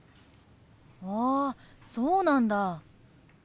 あそうなんだ。